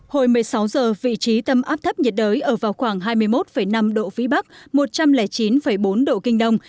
hồi một mươi sáu giờ vị trí tâm áp thấp nhiệt đới ở vào khoảng hai mươi một năm độ vĩ bắc một trăm linh chín bốn độ kinh đông